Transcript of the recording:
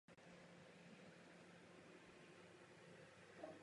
Usedlost byla jako židovský majetek zabavena a byla sem dosazena národní správa.